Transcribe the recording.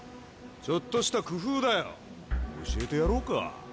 ちょっとした工夫だよ。教えてやろうか？